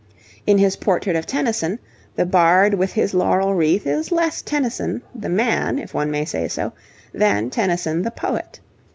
In his portrait of Tennyson, the bard with his laurel wreath is less Tennyson the man, if one may say so, than Tennyson the poet.